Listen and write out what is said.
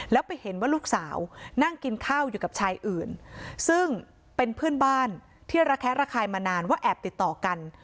แล้วไปเห็นว่าลูกสาวนั่งกินข้าวอยู่กับชายอื่นซึ่งเป็นเพื่อนบ้านที่ระแคะระคายมานานว่าแอบติดต่อกัน